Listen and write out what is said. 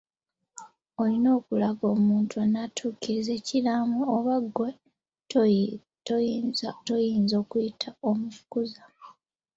Olina okulaga omuntu anaatuukiririza ekiraamo. Oba gwe tuyinza okuyita omukuza.